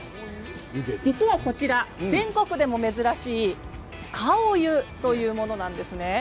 実は、こちら全国でも珍しい顔湯というものなんです。